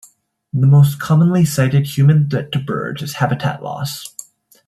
The most commonly cited human threat to birds is habitat loss.